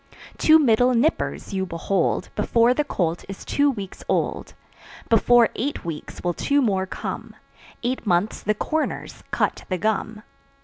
Two middle "nippers" you behold Before the colt is two weeks old, Before eight weeks will two more come; Eight months the "corners" cut the gum.